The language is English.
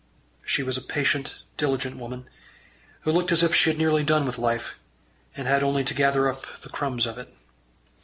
She was a patient diligent woman, who looked as if she had nearly done with life, and had only to gather up the crumbs of it.